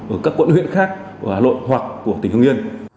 ở các quận huyện khác của hà nội hoặc của tỉnh hưng yên